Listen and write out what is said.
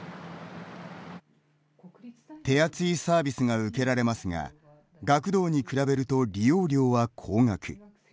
手厚いサービスが受けられますが学童に比べると利用料は高額。